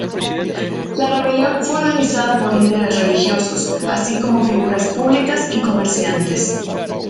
La rebelión fue organizada por líderes religiosos, así como figuras públicas y comerciantes.